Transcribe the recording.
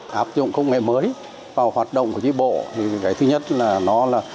áp dụng công nghệ mới vào hoạt động của tri bộ thì cái thứ nhất là nó là